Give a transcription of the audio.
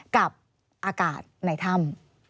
กับอากาศในถ้ำ